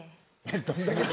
・どんだけ？